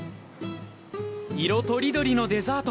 色とりどりのデザート。